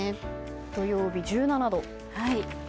土曜日１７度。